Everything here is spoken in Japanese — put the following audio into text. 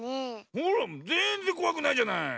ほらぜんぜんこわくないじゃない。